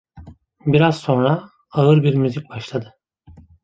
Biraz sonra ağır bir müzik başladı.